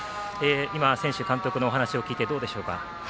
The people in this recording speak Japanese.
今、選手、監督のお話を聞いてどうでしょうか。